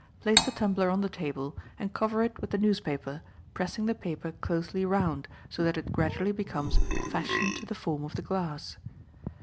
Place the tumbler on the table and cover it with the newspaper, pressing the paper closely round, so that it gradually becomes fashioned to the form of the glass.